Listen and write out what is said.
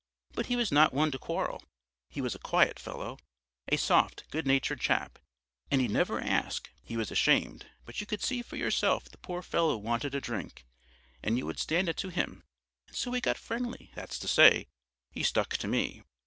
But he was not one to quarrel; he was a quiet fellow. A soft, good natured chap. And he'd never ask, he was ashamed; but you could see for yourself the poor fellow wanted a drink, and you would stand it him. And so we got friendly, that's to say, he stuck to me....